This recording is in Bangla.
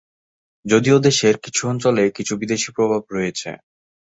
যদিও দেশের কিছু অঞ্চলে কিছু বিদেশী প্রভাব রয়েছে।